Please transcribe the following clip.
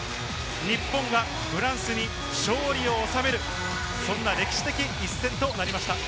日本がフランスに勝利を収める、そんな歴史的一戦となりました。